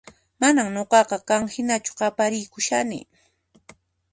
Manan nuqaqa qan hinachu qapariykushani